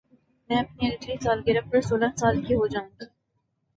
میں اپنی اگلی سالگرہ پر سولہ سال کی ہو جائو گی